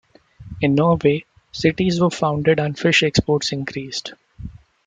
In Norway, cities were founded and fish exports increased.